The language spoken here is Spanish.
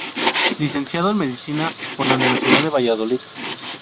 Licenciado en Medicina por la Universidad de Valladolid.